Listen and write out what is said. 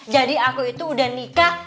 jadi aku itu udah nikah